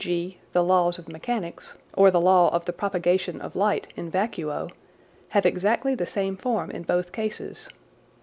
g. the laws of mechanics or the law of the propagation of light in vacuo) have exactly the same form in both cases.